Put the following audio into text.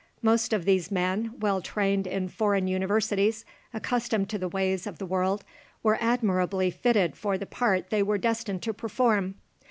Most of these men, well trained in foreign universities, accustomed to the ways of the world, were admirably fitted for the part they were destined to perform.